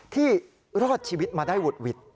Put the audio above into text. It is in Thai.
ที่รอดชีวิตมาได้หวด